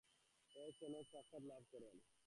তিনি চেন-এর সাথে সাক্ষাৎ লাভ করেন।